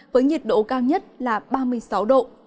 với nhiệt độ cao nhất là ba mươi sáu độ